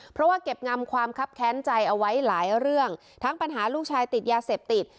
เพราะว่าเก็บงำความคับแค้นใจเอาไว้หลายเรื่องทั้งปัญหาลูกชายติดยาเสพติด